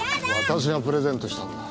私がプレゼントしたんだ。